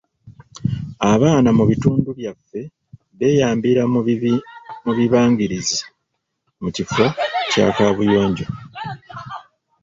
Abaana mu bitundu byaffe beeyambira mu bibangirizi mu kifo kya kaabuyonjo.